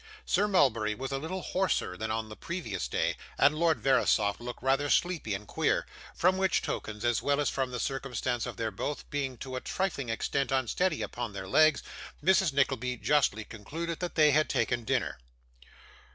Sir Mulberry was a little hoarser than on the previous day, and Lord Verisopht looked rather sleepy and queer; from which tokens, as well as from the circumstance of their both being to a trifling extent unsteady upon their legs, Mrs. Nickleby justly concluded that they had taken dinner.